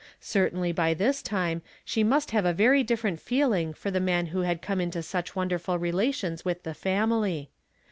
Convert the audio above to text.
Certainly by this time she must have a very different feeling for the man who liad come into such wonderful relations with the family.